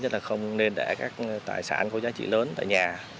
chắc là không nên để các tài sản có giá trị lớn ở nhà